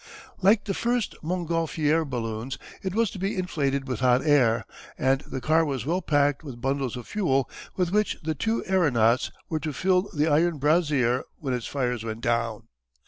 Like the first Montgolfier balloons it was to be inflated with hot air, and the car was well packed with bundles of fuel with which the two aeronauts were to fill the iron brazier when its fires went down.